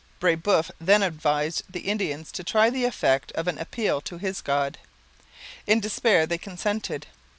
Brebeuf then advised the Indians to try the effect of an appeal to his God. In despair they consented.